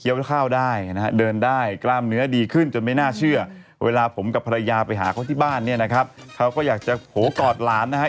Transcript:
อยากไปหาเขาที่บ้านเนี่ยนะครับเขาก็อยากจะโผกอดหลานนะครับ